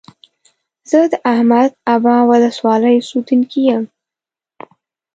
زه د احمد ابا ولسوالۍ اوسيدونکى يم.